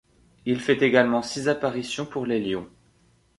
Il fait également six apparitions pour les Lions.